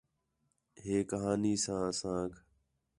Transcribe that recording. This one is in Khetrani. ہِے کہاݨی ساں اسانک